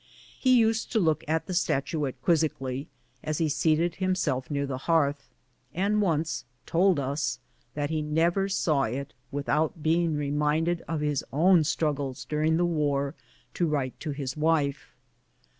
He used to look at the statuette quizzically, as he seated himself near the hearth, and once told us that he never saw it without being reminded of his own struggles daring the war to write to his wife.